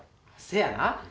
せやな。